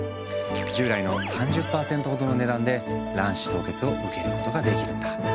従来の３０％ほどの値段で卵子凍結を受けることができるんだ。